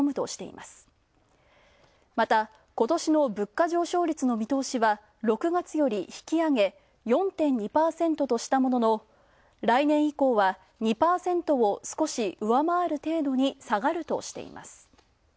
また、ことしの物価上昇率の見通しは６月より引き上げ、４．２％としたものの来年以降は２％を少し上回る程度に下がるとしています。